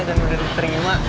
dan udah diterima